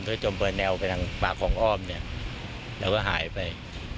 เพื่อจมเปิดแนวไปทางปากของอ้อมเนี่ยแล้วก็หายไป